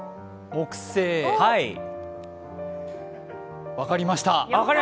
木製分かりました。